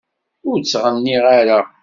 Ur ttɣenniɣ ara.